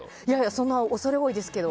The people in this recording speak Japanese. そんな恐れ多いですけど。